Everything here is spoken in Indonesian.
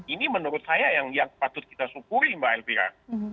ini menurut saya yang patut kita syukuri mbak elvira